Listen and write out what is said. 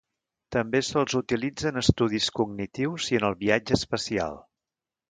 També se'ls utilitza en estudis cognitius i en el viatge espacial.